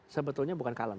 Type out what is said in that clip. sebetulnya bukan kalem